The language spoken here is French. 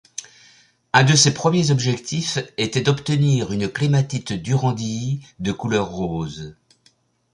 Un de ses premiers objectifs était d'obtenir une clématite durandii de couleur rose.